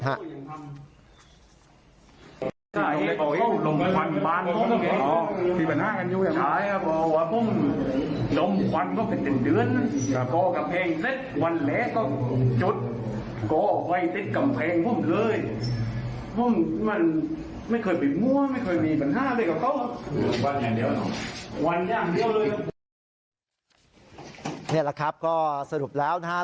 นี่แหละครับก็สรุปแล้วนะฮะ